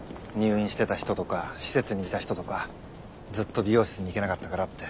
入院してた人とか施設にいた人とかずっと美容室に行けなかったからって。